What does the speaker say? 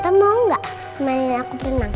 tante mau gak temenin aku berenang